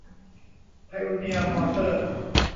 ไพโอเนียร์ มอเตอร์